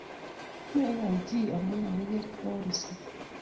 magelchini chi amu magigertoi ruset